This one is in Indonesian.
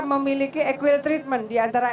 memiliki equal treatment diantara